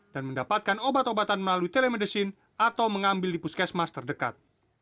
dan mendapatkan obat obatan melalui telemedicine atau mengambil lipus kesmas terdekat